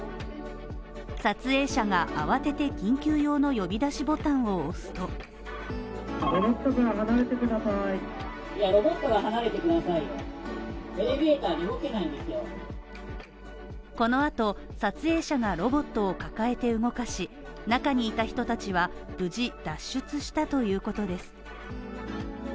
撮影者が慌てて緊急用の呼び出しボタンを押すとこの後、撮影者がロボットを抱えて動かし中にいた人たちは無事脱出したということです。